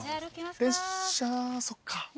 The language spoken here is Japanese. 列車そっか。